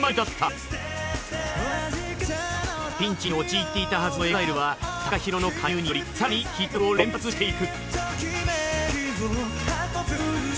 ピンチに陥っていたはずのＥＸＩＬＥはＴＡＫＡＨＩＲＯの加入により更にヒット曲を連発していく！